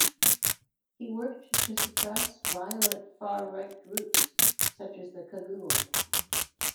He worked to suppress violent far right groups such as the Cagoule.